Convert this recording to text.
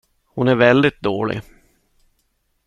Hon är väldigt dålig.